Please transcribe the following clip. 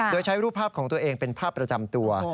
โดยใช้รูปภาพของตัวเองเป็นภาพประจำตัว